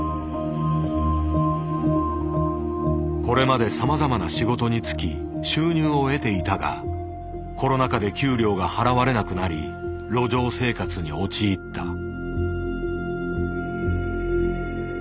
これまでさまざまな仕事に就き収入を得ていたがコロナ禍で給料が払われなくなり路上生活に陥った。